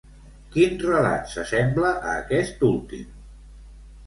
Quin relat s'assembla a aquest últim?